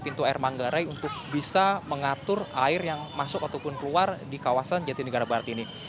pintu air manggarai untuk bisa mengatur air yang masuk ataupun keluar di kawasan jatinegara barat ini